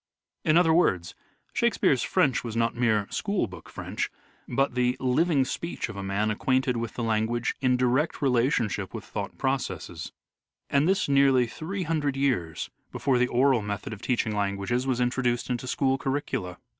In other words, Shakespeare's French was not mere school book French, but the living speech of a man acquainted with the language in direct relationship with thought processes : and this nearly three hundred years before the oral method of teaching languages was introduced into school curricula.